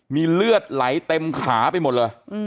มีเลือดไหลเต็มขาไปหมดเลย